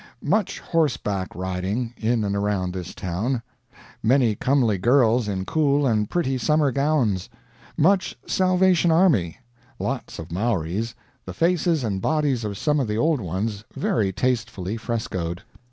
Much horseback riding, in and around this town; many comely girls in cool and pretty summer gowns; much Salvation Army; lots of Maoris; the faces and bodies of some of the old ones very tastefully frescoed.